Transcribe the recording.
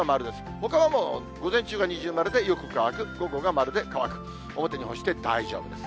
ほかはもう午前中が二重丸でよく乾く、午後が丸で乾く、表に干して大丈夫です。